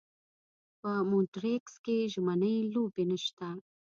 په مونټریکس کې ژمنۍ لوبې نشته.